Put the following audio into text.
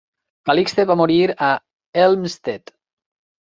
Calixte va morir a Helmstedt.